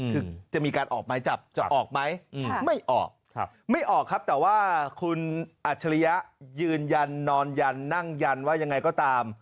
คือจะมีการออกไม้จับจะออกไหมไม่ออกไม่ออกครับแต่ว่าคุณอัจฉริยะยืนยันนอนยันนั่งยันว่ายังไงก็ตาม